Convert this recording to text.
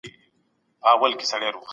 په دغي کیسې کي مي ډېر نوي حقایق لیدلي وو.